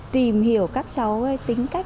tìm hiểu các cháu tính cách